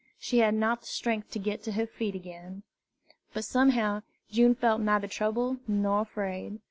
She had not the strength to get to her feet again. But somehow June felt neither troubled nor afraid.